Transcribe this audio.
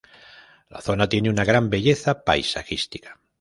La zona tiene una gran belleza paisajística.